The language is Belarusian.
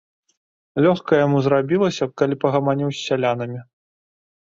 Лёгка яму зрабілася, калі пагаманіў з сялянамі.